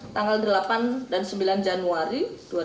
tanggal delapan dan sembilan januari dua ribu dua puluh